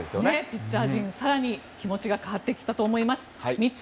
ピッチャー陣更に気持ちが変わってきたと思います。